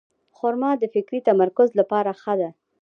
خرما د فکري تمرکز لپاره ښه ده.